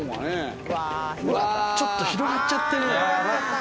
ちょっと広がっちゃってる。